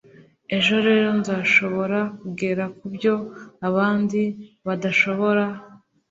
ejo rero nzashobora kugera kubyo abandi badashobora.”